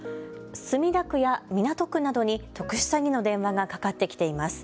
墨田区や港区などに特殊詐欺の電話がかかってきています。